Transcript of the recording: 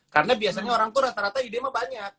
karena biasanya orang tuh rata rata ide emang banyak